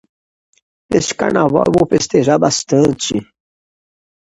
Neste carnaval eu vou festejar bastante.